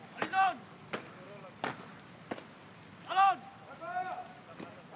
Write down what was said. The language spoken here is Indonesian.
beri tanggung jawab